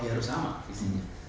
ya harus sama visinya